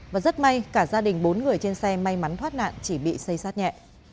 và rất may cả gia đình bốn người trên xe may mắn thoát nạn chỉ bị xây sát nhẹ